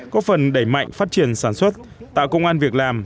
có phần đẩy mạnh phát triển sản xuất tạo công an việc làm